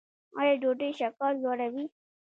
ایا ډوډۍ شکر لوړوي؟